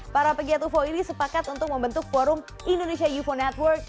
para pegiat ufo ini sepakat untuk membentuk forum indonesia eufo network